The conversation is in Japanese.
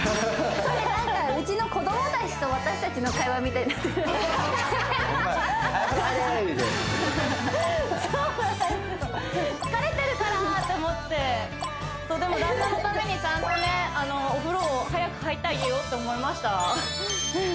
それなんかうちの子どもたちと私たちの会話みたいになってるホンマや「お風呂入れ」みたいな疲れてるからと思ってでも旦那のためにちゃんとねお風呂早く入ってあげようって思いました